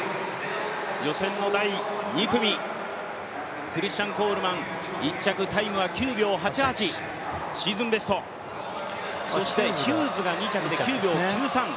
予選の第２組、クリスチャン・コールマン１着タイムは９秒８８、シーズンベスト、そしてヒューズが２着で９秒９３。